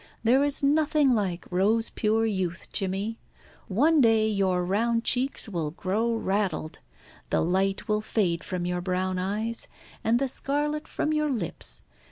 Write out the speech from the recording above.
There is nothing like rose pure youth, Jimmy. One day your round cheeks will grow raddled, the light will fade from your brown eyes, and the scarlet from your lips.